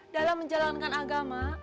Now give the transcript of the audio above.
dalam menjalankan agama